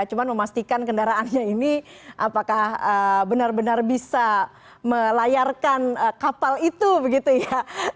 cuma memastikan kendaraannya ini apakah benar benar bisa melayarkan kapal itu begitu ya